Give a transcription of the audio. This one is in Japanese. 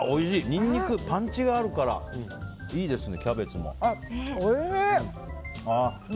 ニンニク、パンチがあるからいいですね。